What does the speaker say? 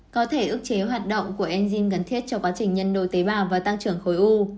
có thể ức chế hoạt động của enzim gần thiết cho quá trình nhân đổi tế bào và tăng trưởng khối u